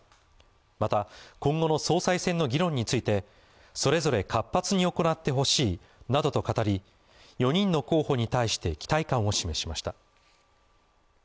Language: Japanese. また、今後の総裁選の議論についてそれぞれ活発に行ってほしいなどと語り、４人の候補に対して期待感を示しました。